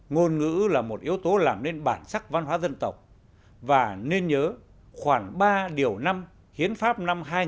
ngôn ngữ là một yếu tố làm nên bản sắc văn hóa dân tộc và nên nhớ khoảng ba điều năm hiến pháp năm hai nghìn bảy mươi ba ghi rõ